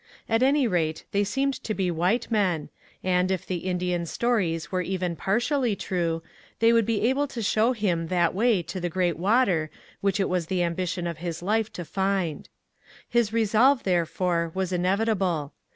At any rate, they seemed to be white men, and, if the Indian stories were even partially true, they would be able to show him that way to the great water which it was the ambition of his life to find. His resolve, therefore, was inevitable.